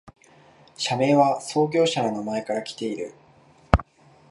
社名は創業者の名前からきている